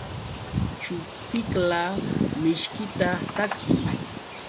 Chupiqla mishkita takin.